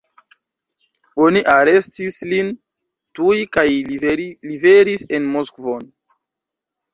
Oni arestis lin tuj kaj liveris en Moskvon.